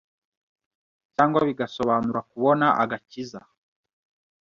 cyangwa bigasobanura kubona agakiza